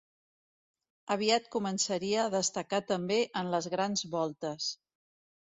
Aviat començaria a destacar també en les grans voltes.